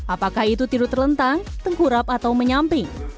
apakah itu tidur terlentang tengkurep atau menyamping